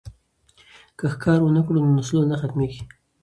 که ښکار ونه کړو نو نسلونه نه ختمیږي.